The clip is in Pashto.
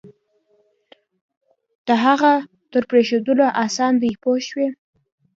د هغه تر پرېښودلو آسان دی پوه شوې!.